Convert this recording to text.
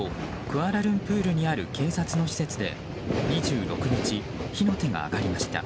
クアラルンプールにある警察の施設で２６日火の手が上がりました。